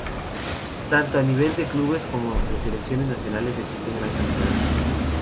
Tanto a nivel de clubes como de selecciones nacionales existen gran cantidad de torneos.